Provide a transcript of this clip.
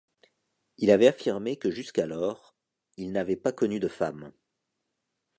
Il avait affirmé que jusqu'alors, il n'avait pas connu de femme.